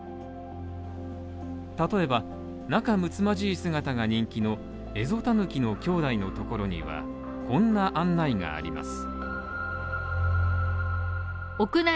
例えば、仲睦まじい姿が人気のエゾタヌキの兄弟のところにはこんな案内があります